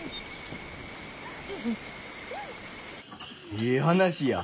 ええ話や。